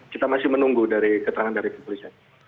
kita masih menunggu dari keterangan dari kepolisian